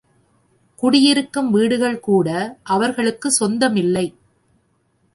குடியிருக்கும் வீடுகள் கூட அவர்களுக்குச் சொந்தமில்லை.